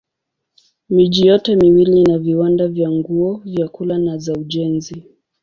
Miji yote miwili ina viwanda vya nguo, vyakula na za ujenzi.